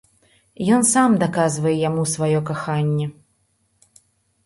Ён сам даказвае яму сваё каханне.